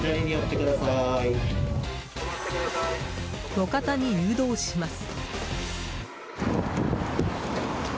路肩に誘導します。